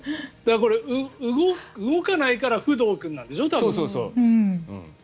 これ、動かないからフドウ君なんでしょ、多分。